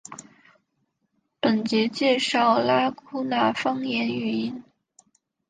本节介绍拉祜纳方言语音。